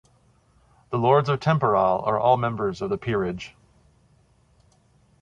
The Lords Temporal are all members of the Peerage.